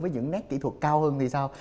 với những nét kỹ thuật cao hơn thì sao